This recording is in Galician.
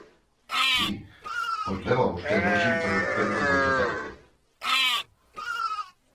Si, pois leva vostede hoxe interrompendo moito tempo.